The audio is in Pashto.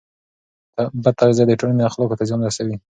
بد تغذیه د ټولنې اخلاقو ته زیان رسوي.